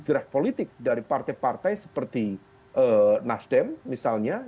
gerak politik dari partai partai seperti nasdem misalnya